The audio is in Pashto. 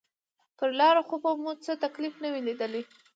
پر لاره خو به مو څه تکليف نه وي ليدلى.